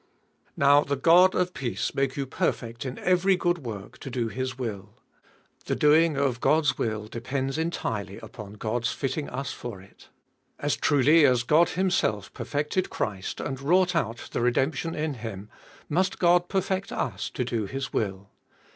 Now the God of peace make you perfect in every good work to do His will. The doing of God's will depends entirely upon God's fitting us for it. As truly as God Himself perfected Christ and wrought out the redemption in Him, must God perfect us to do His will.